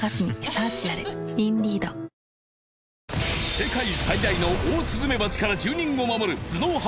世界最大のオオスズメバチから住人を守る頭脳派